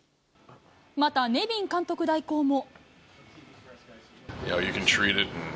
またネビン監督代行も。